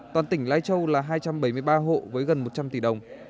toàn tỉnh lai châu là hai trăm bảy mươi ba hộ với gần một trăm linh tỷ đồng